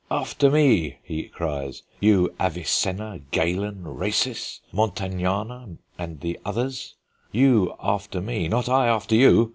"After me," he cries, "you Avicenna, Galen, Rhasis, Montagnana and the others. You after me, not I after you.